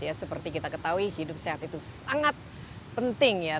ya seperti kita ketahui hidup sehat itu sangat penting ya